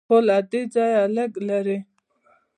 خو له دې ځایه لږ لرې.